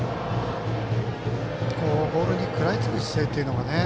ボールに食らいつく姿勢というのがね。